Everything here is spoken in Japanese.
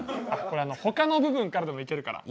これあの他の部分からでもいけるから。